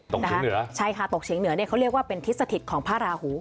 เฉียงเหนือใช่ค่ะตกเฉียงเหนือเนี่ยเขาเรียกว่าเป็นทิศสถิตของพระราหู